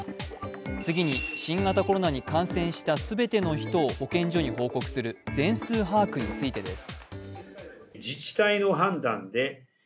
次に新型コロナに感染した全ての人を保健所に報告する全数把握についてです。